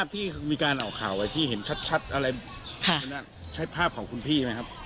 ที่มีการเหล่าข่าวไว้ที่เห็นชัดอะไรใช้ภาพของคุณพี่ไหมครับ